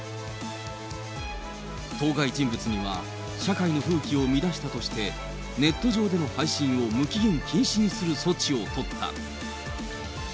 当該人物には、社会の風紀を乱したとして、ネット上での配信を無期限禁止にする措置を取った。